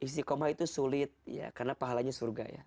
istiqomah itu sulit ya karena pahalanya surga ya